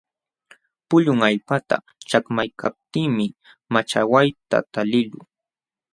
Pulun allpata chakmaykaptiimi machawayta taliqluu.